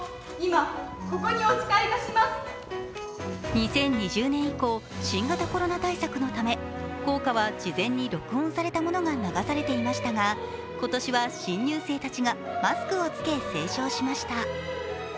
２０２０年以降、新型コロナ対策のため校歌は事前に録音されたものが流されていましたが今年は新入生たちがマスクを着け、斉唱しました。